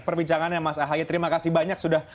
perbincangannya mas ahaye terima kasih banyak sudah